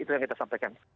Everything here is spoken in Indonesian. itu yang kita sampaikan